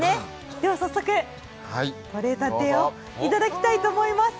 では早速、とれたてをいただきたいと思います。